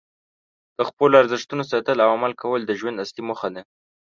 د خپلو ارزښتونو ساتل او عمل کول د ژوند اصلي موخه ده.